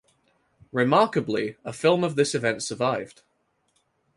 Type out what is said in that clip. Remarkably, a film of this event survived.